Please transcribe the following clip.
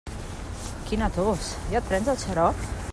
Quina tos, ja et prens el xarop?